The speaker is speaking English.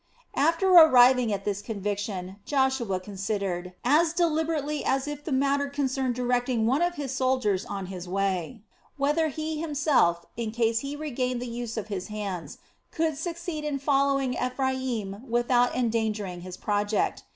After arriving at this conviction Joshua considered, as deliberately as if the matter concerned directing one of his soldiers on his way, whether he himself, in case he regained the use of his hands, could succeed in following Ephraim without endangering his project.